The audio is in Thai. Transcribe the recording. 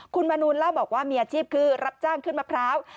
คุณมนูลเล่าบอกว่ามีอาชีพคือรับจ้างขึ้นมะพร้าว